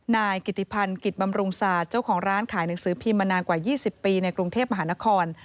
นายกิติพันธ์กิจบำรุงศาสตร์เจ้าของร้านขายหนังสือพิมพ์มานานกว่า๒๐ปีในกรุงเทพมหานคร